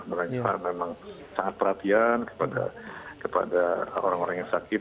mereka memang sangat perhatian kepada orang orang yang sakit